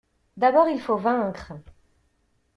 D'abord il faut vaincre!